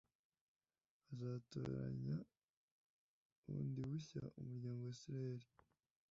azatoranya bundi bushya umuryango wa Israheli